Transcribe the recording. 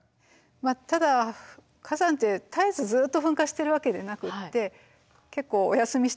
ただ火山って絶えずずっと噴火してるわけでなくって結構お休みしてる時間も多いので。